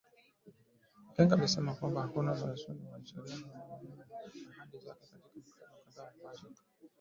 Ekenge alisema kwamba hakuna maana ya ushirikiano na jirani aiyeheshimu maneno na ahadi zake katika mikutano kadhaa ambayo imefanyika